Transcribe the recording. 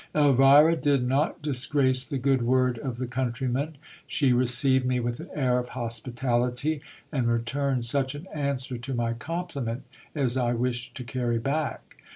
Elvira did not disgrace the good word of the countryman. She received me with an air of hospitality, and returned such an answer to my compliment as I wished to carry back.